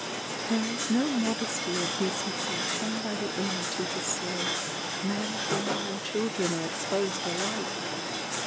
There is no modesty or decency shown by the owner to his slaves; men, women, and children are exposed alike.